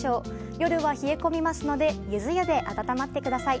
夜は冷え込みますのでゆず湯で温まってください。